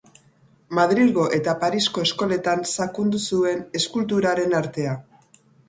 Madrilgo eta Parisko eskoletan sakondu zuen eskulturaren artea.